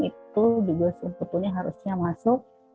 itu juga sebetulnya harusnya masuk